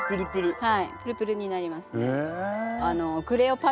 はい。